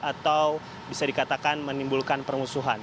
atau bisa dikatakan menimbulkan permusuhan